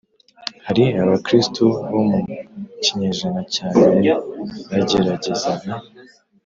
Hari Abakristo bo mu kinyejana cya mbere bageragezaga